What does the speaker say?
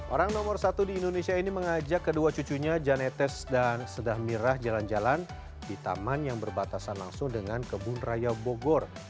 orang nomor satu di indonesia ini mengajak kedua cucunya janetes dan sedah mirah jalan jalan di taman yang berbatasan langsung dengan kebun raya bogor